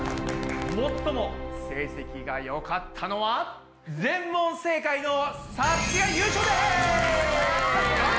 最も成績がよかったのは全問正解のさつきが優勝です！